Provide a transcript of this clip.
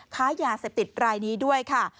ค้ายาเสพติดรายนี้ด้วยค่ะ